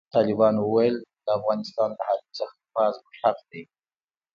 طالبانو وویل، د افغانستان له حریم څخه دفاع زموږ حق دی.